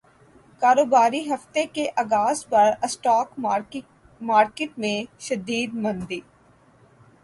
کاروباری ہفتے کے اغاز پر اسٹاک مارکیٹ میں شدید مندی